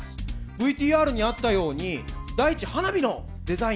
ＶＴＲにあったように大馳花火のデザインしてましたね。